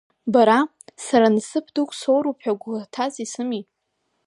Бара, сара насыԥ дук соуроуп ҳәа гәыӷырҭас исымеи?